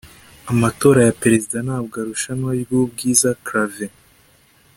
amatora ya perezida ntabwo arushanwa ryubwiza clavain